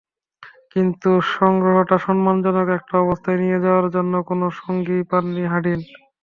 কিন্তু সংগ্রহটা সম্মানজনক একটা অবস্থায় নিয়ে যাওয়ার জন্য কোনো সঙ্গীই পাননি হাডিন।